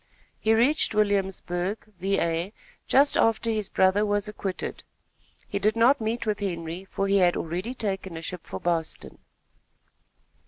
He reached Williamsburg, Va., just after his brother was acquitted. He did not meet with Henry, for he had already taken a ship for Boston.